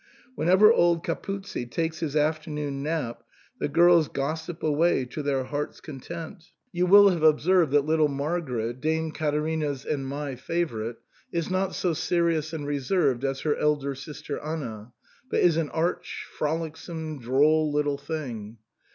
Whenever old Capuzzi takes his afternoon nap the girls gossip away to their heart's content You will n6 SIGNOR FORMICA. have observed that little Margaret, Dame Caterina's and my favourite, is not so serious and reserved as her elder sister, Anna, but is an arch, frolicsome, droll little thing.